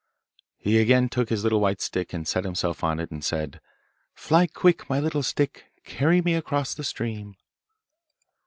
He again took his little white stick, set himself on it, and said, Fly quick, my little stick, Carry me across the stream.